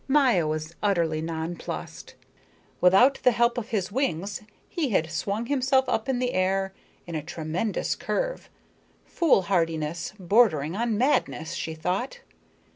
Maya was utterly non plussed. Without the help of his wings he had swung himself up in the air in a tremendous curve. Foolhardiness bordering on madness, she thought.